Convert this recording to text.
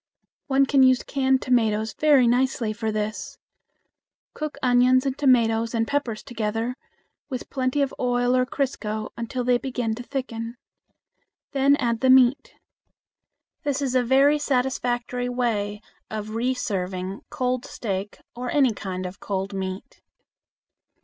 One can use canned tomatoes very nicely for this. Cook onions and tomatoes and peppers together, with plenty of oil or crisco until they begin to thicken. Then add the meat. This is also a very satisfactory way of reserving cold steak or any kind of cold meat.